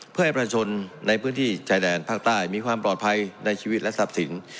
เพื่อให้ประชาชนในพื้นที่ชายแดนภาคใต้มีความปลอดภัยในชีวิตและทรัพย์สิน